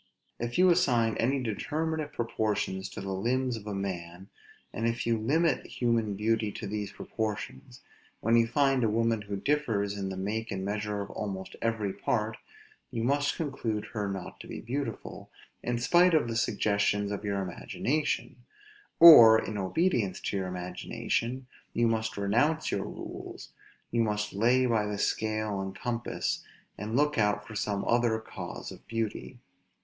If you assign any determinate proportions to the limbs of a man, and if you limit human beauty to these proportions, when you find a woman who differs in the make and measures of almost every part, you must conclude her not to be beautiful, in spite of the suggestions of your imagination; or, in obedience to your imagination, you must renounce your rules; you must lay by the scale and compass, and look out for some other cause of beauty.